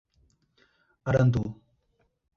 Arandu